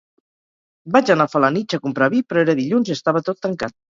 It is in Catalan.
Vaig anar a Felanitx a comprar vi però era dilluns i estava tot tancat